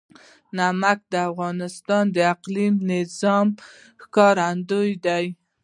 نمک د افغانستان د اقلیمي نظام ښکارندوی ده.